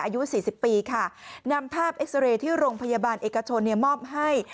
อายุสี่สิบปีค่ะนำภาพเอ็กซาเรย์ที่โรงพยาบาลเอกชนมอบให้